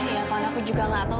ya fadl aku juga tidak tahu